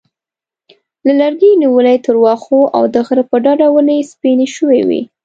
له لرګیو نیولې تر واښو او د غره په ډډه ونې سپینې شوې وې.